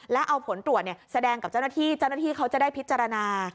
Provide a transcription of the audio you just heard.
แล้วเอาผลตรวจแสดงกับเจ้าหน้าที่เจ้าหน้าที่เขาจะได้พิจารณา